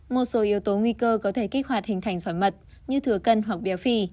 một số yếu tố nguy cơ có thể kích hoạt hình thành sỏi mật như thừa cân hoặc béo phì